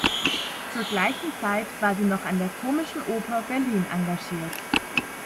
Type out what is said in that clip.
Zur gleichen Zeit war sie noch an der Komischen Oper Berlin engagiert.